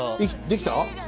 できた？